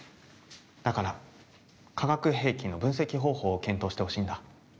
だから化学兵器の分析方法を検討してほしいんだ。